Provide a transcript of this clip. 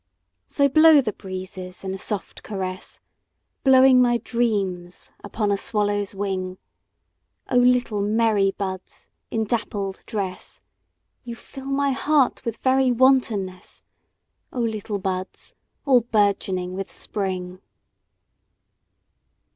So blow the breezes in a soft caress, Blowing my dreams upon a swallow's wing;O little merry buds in dappled dress, You fill my heart with very wantonness—O little buds all bourgeoning with Spring!